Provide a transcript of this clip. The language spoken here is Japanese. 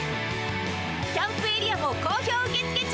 キャンプエリアも好評受付中。